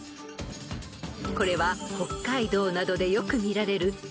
［これは北海道などでよく見られる］